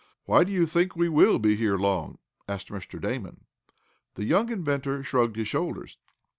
"Why; do you think we WILL be here long?" asked Mr. Damon. The young inventor shrugged his shoulders.